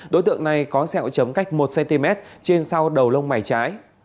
đối tượng này có xe ỏi chấm cách một cm trên sau đầu lông mày trái